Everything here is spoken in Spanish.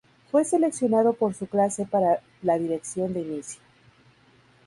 Fue seleccionado por su clase para dar la dirección de inicio.